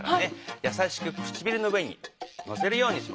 やさしくくちびるの上にのせるようにします。